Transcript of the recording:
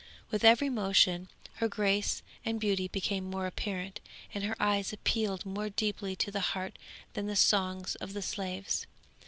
With every motion her grace and beauty became more apparent, and her eyes appealed more deeply to the heart than the songs of the slaves.